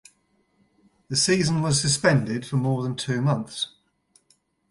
The season was suspended for more than two months.